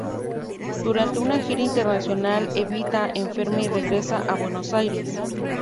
Durante una gira internacional, "Evita" enferma y regresa a Buenos Aires.